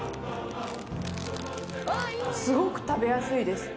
すごく食べやすいです。